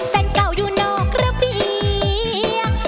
แฟนเก่าอยู่นอกระเบียง